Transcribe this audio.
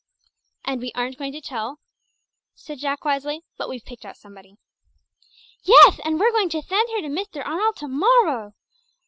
"And we aren't going to tell," said Jack wisely, "but we've picked out somebody." "Yeth, and we're going to thend her to Mr. Arnold to morrow!"